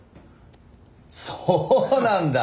そうなんだ。